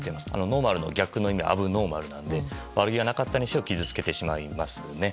ノーマルの逆の意味はアブノーマルなんで悪気がなかったにしろ傷つけてしまいますよね。